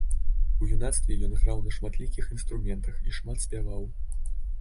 У юнацтве ён граў на шматлікіх інструментах і шмат спяваў.